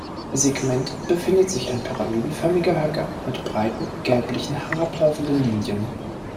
Segment befindet sich ein pyramidenförmiger Höcker mit breiten, gelblichen herab laufenden Linien.